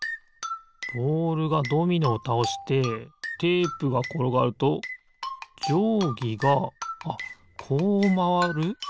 ボールがドミノをたおしてテープがころがるとじょうぎがあっこうまわる？